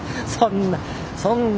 そんな